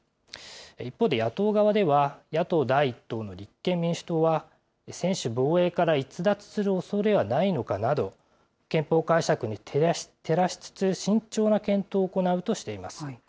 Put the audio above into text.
一方で、野党側では、野党第１党の立憲民主党は、専守防衛から逸脱するおそれはないのかなど、憲法解釈に照らしつつ慎重な検討を行うとしています。